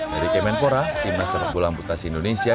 dari kemenpora timnas sepak bola amputasi indonesia